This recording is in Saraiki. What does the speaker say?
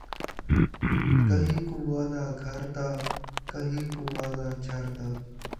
کئیں کوں وعدہ گھر دا کئیں کوں وعدہ جھر دا